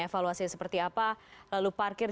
evaluasi seperti apa lalu parkir